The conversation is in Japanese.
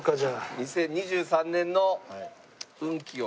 ２０２３年の運気を。